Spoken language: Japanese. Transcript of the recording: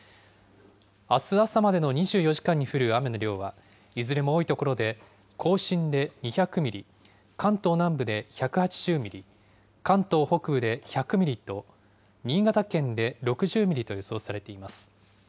あす朝までの２４時間に降る雨の量は、いずれも多い所で、甲信で２００ミリ、関東南部で１８０ミリ、関東北部で１００ミリと、新潟県で６０ミリと予想されています。